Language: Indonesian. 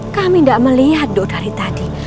kami enggak melihat duk dari tadi